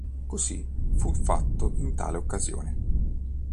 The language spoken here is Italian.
Così fu fatto in tale occasione.